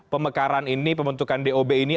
pemekaran ini pembentukan dob ini